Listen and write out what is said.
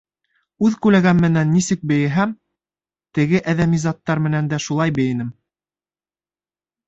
Үҙ күләгәм менән нисек бейеһәм, теге әҙәми заттар менән дә шулай бейенем.